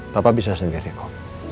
papa bisa sendiri kok